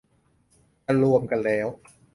จะรวมกันแล้ว